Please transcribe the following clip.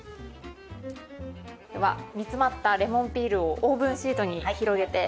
では煮つまったレモンピールをオーブンシートに広げて。